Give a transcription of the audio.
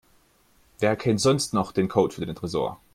Wer kennt sonst noch den Code für den Tresor?